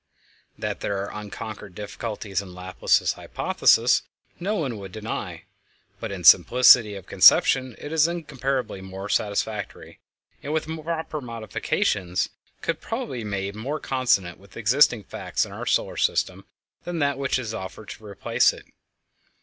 _ That there are unconquered difficulties in Laplace's hypothesis no one would deny, but in simplicity of conception it is incomparably more satisfactory, and with proper modifications could probably be made more consonant with existing facts in our solar system than that which is offered to replace it.